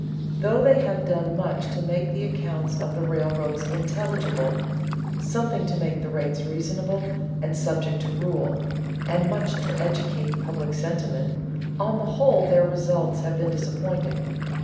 Though they have done much to make the accounts of the railroads intelligible, something to make the rates reasonable and subject to rule, and much to educate public sentiment, on the whole their results have been disappointing.